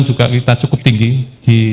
juga kita cukup tinggi di